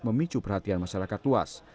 memicu perhatian masyarakat luas